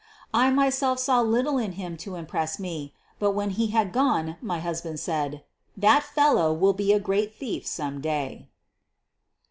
I myself saw little in him to impress me, but when he had gone my husband said: "That fellow will be a great thief some day."